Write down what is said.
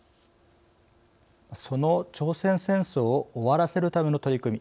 その朝鮮戦争を終わらせるための取り組み